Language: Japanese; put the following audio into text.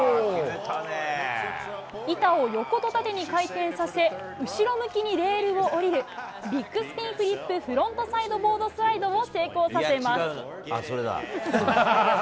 板を横と縦に回転させ、後ろ向きにレールを降りる、ビッグスピンフリップフロントサイドボードスライドを成功させます。